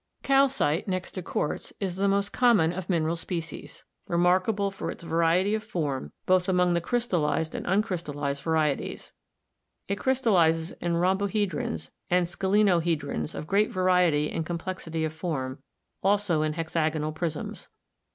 Calcite, next to quartz, is the most common of mineral species, remarkable for its variety of form both among the DESCRIPTIVE MINERALOGY 271 crystallfzed and uncrystallized varieties. It crystallizes in rhombohedrons and scalenohedrons of great variety and complexity of form, also in hexagonal prisms.